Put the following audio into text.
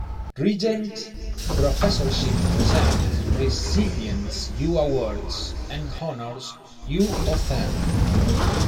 Regents Professorship Present Recipients: U Awards and Honors: U of M.